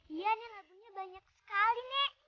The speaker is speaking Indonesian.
iya nek labunya banyak sekali